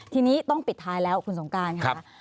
ทีนี้ต้องปิดท้ายแล้วคุณสงการค่ะ